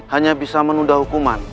hanya bisa menunda hukuman